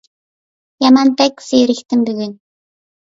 يامان بەك زېرىكتىم بۈگۈن!